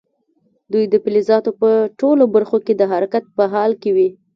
دوی د فلزاتو په ټولو برخو کې د حرکت په حال کې وي.